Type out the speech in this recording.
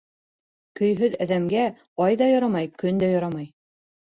Көйһөҙ әҙәмгә ай ҙа ярамай, көн дә ярамай.